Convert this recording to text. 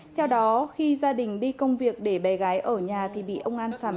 theo đó khi gia đình đi công việc để bé gái ở nhà thì bị ông an sảm sỡ và dâm ô